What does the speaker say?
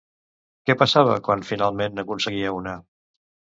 Què passava quan finalment n'aconseguia una?